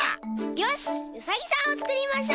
よしウサギさんをつくりましょう！